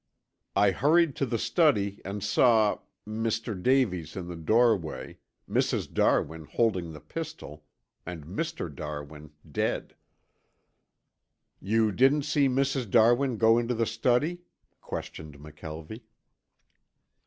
I hurried to the study and saw Mr. Davies in the doorway, Mrs. Darwin holding the pistol, and Mr. Darwin dead." "You didn't see Mrs. Darwin go into the study?" questioned McKelvie.